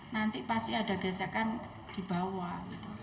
nanti pasti ada gesekan di bawah